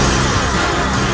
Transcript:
aku tidak percaya